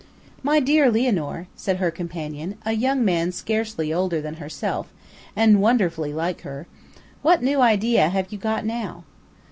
"My dear Lianor," said her companion, a young man scarcely older than herself, and wonderfully like her, "what new idea, have you got now?"